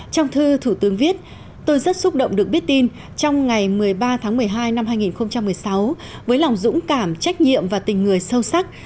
trong thư thủ tướng viết tôi rất xúc động được biết tin trong ngày một mươi ba tháng một mươi hai năm hai nghìn một mươi sáu với lòng dũng cảm trách nhiệm và tình người sâu sắc